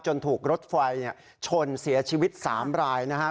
ถูกรถไฟชนเสียชีวิต๓รายนะครับ